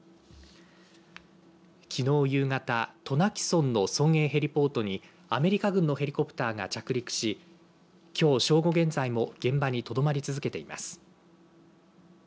きのう夕方渡名喜村の村営ヘリポートにアメリカ軍のヘリコプターが着陸しきょう、正午現在も現場にとどまり続けています。